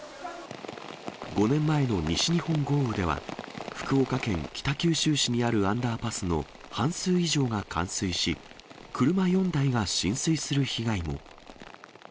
５年前の西日本豪雨では、福岡県北九州市にあるアンダーパスの半数以上が冠水し、車４台が浸水する被害も。